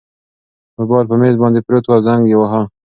موبایل په مېز باندې پروت و او زنګ یې واهه.